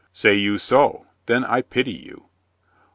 "Say you so? Then I pity you."